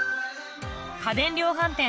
家電量販店